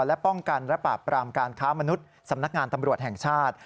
และป้องกันและปราบปรามการค้ามนุษย์สำนักงานตำรวจแห่งชาติ